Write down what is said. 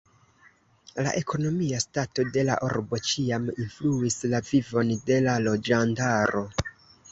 La ekonomia stato de la urbo ĉiam influis la vivon de la loĝantaro.